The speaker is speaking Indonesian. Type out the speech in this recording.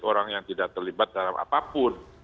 orang yang tidak terlibat dalam apapun